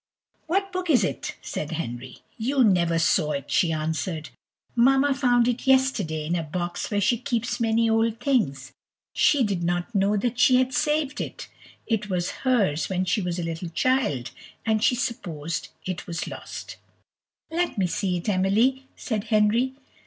"What book is it?" said Henry. "You never saw it," she answered; "mamma found it yesterday in a box where she keeps many old things she did not know that she had saved it it was hers when she was a little child, and she supposed that it was lost." "Let me see it, Emily," said Henry.